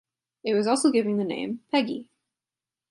It was also given the name "Peggy".